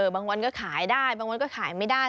บางวันก็ขายได้บางวันก็ขายไม่ได้